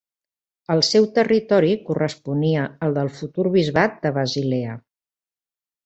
El seu territori corresponia al del futur bisbat de Basilea.